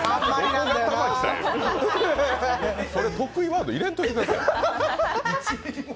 それ得意ワードに入れんといてください。